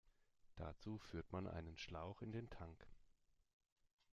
Dazu führt man einen Schlauch in den Tank.